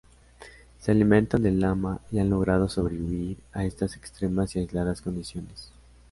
Se alimentan de lama y han logrado sobrevivir a estas extremas y aisladas condiciones.